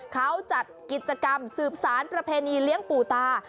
เขาจัดกิจกรรมสืบสารประเพณีเลี้ยงปู่ตา